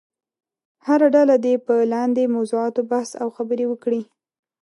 هره ډله دې په لاندې موضوعاتو بحث او خبرې وکړي.